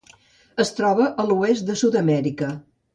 Es troba a l'oest de Sud-amèrica.